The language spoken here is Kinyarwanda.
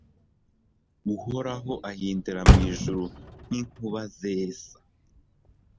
Uhoraho ahindira mu ijuru nk’inkuba zesa